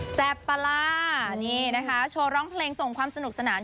ปลาร่านี่นะคะโชว์ร้องเพลงส่งความสนุกสนาน